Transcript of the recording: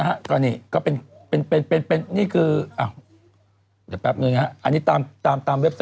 อ่ะคลิปนี้คุณแม่